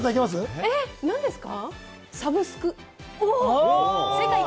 何ですか？